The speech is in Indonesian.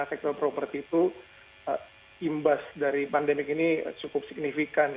sektor properti itu imbas dari pandemi ini cukup signifikan